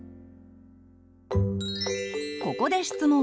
ここで質問。